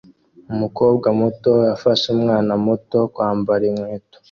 Umukobwa muto afasha umwana muto kwambara inkweto